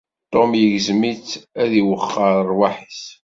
Tom igzem-itt ad iwexxer rrwaḥ-is.